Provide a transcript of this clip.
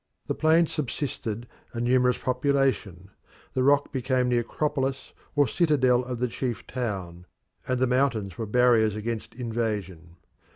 The plain subsisted a numerous population; the rock became the Acropolis or citadel of the chief town, and the mountains were barriers against invasion.